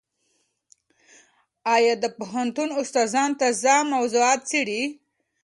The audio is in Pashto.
ایا د پوهنتون استادان تازه موضوعات څېړي؟